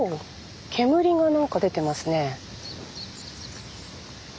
煙が何か出てますね。